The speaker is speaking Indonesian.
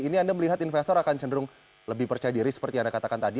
ini anda melihat investor akan cenderung lebih percaya diri seperti anda katakan tadi